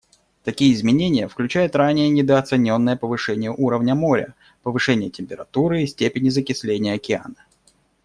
Такие изменения включают ранее недооцененное повышение уровня моря, повышение температуры и степени закисления океана.